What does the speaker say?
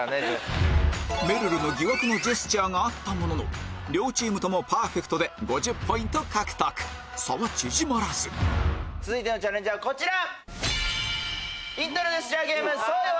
めるるの疑惑のジェスチャーがあったものの両チームともパーフェクトで５０ポイント獲得差は縮まらず続いてのチャレンジはこちら！